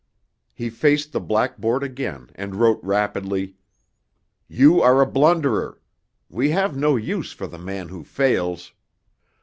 He faced the blackboard again and wrote rapidly: "You are a blunderer. We have no use for the man who fails."